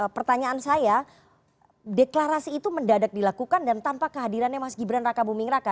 pertanyaan saya deklarasi itu mendadak dilakukan dan tanpa kehadirannya mas gibran raka buming raka